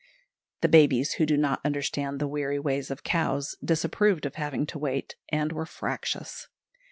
The babies, who do not understand the weary ways of cows, disapproved of having to wait, and were fractious.